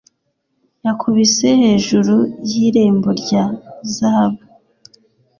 yakubise hejuru y'irembo rya zahabu